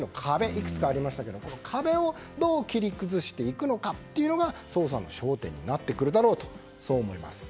いくつかありましたが、これをどう切り崩していくのかというのが捜査の焦点になってくるだろうとそう思います。